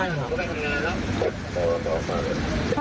ใช่ครับ